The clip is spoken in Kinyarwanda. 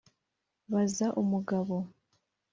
baza umugabo